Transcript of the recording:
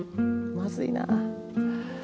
まずいな。